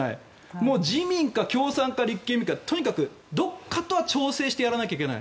もう自民か共産か立憲みたいなとにかくどこかと調整してやらないといけない。